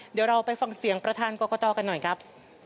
เดี๋ยวเราไปฟังเสียงประธานกรกตกันหน่อยครับ